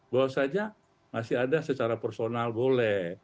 bahwasanya masih ada secara personal boleh